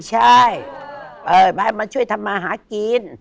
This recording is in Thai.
ใช่มาช่วยทำมาหากิน